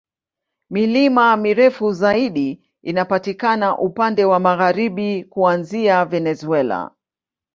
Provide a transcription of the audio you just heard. Milima mirefu zaidi inapatikana upande wa magharibi, kuanzia Venezuela.